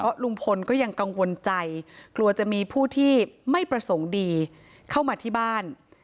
ลุงพลก็ยังกังวลใจกลัวจะมีผู้ที่ไม่ประสงค์ดีเข้ามาที่บ้าน